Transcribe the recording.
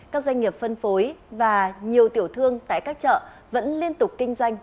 các doanh nghiệp phân phối và nhiều tiểu thương tại các chợ vẫn liên tục kinh doanh